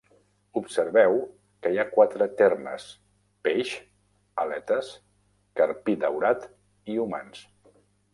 Observeu que hi ha quatre termes: "peix", "aletes", "carpí daurat" i "humans".